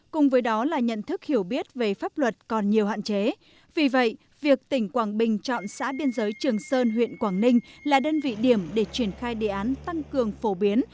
cùng với đó là nhận thức hiểu biết về pháp luật còn nhiều hạn chế vì vậy việc tỉnh quảng bình chọn xã biên giới trường sơn huyện quảng ninh là đơn vị điểm để triển khai đề án tăng cường phổ biến